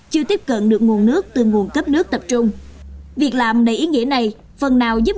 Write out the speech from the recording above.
chưa tiếp cận được nguồn nước từ nguồn cấp nước tập trung việc làm đầy ý nghĩa này phần nào giúp